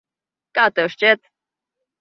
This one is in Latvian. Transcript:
Kā tev šķiet?